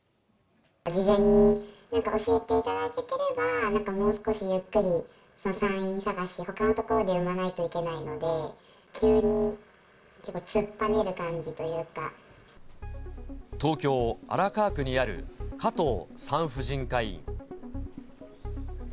事前に教えていただけていれば、なんかもう少しゆっくり産院探し、ほかの所で産まないといけないので、東京・荒川区にある加藤産婦人科医院。